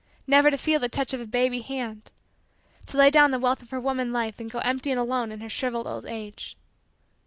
Never to feel the touch of a baby hand! To lay down the wealth of her woman life and go empty and alone in her shriveled old age!